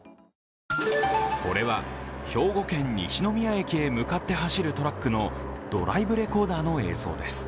これは兵庫県・西宮駅へ向かって走るトラックのドライブレコーダーです。